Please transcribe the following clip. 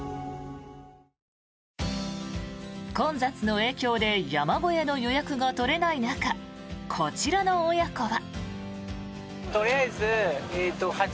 混雑の影響で山小屋の予約が取れない中こちらの親子は。